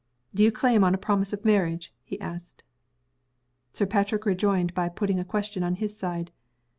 "Do you claim on a promise of marriage?" he asked. Sir Patrick rejoined by putting a question on his side.